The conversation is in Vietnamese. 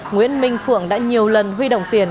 nguyễn minh phượng đã nhiều lần huy động tiền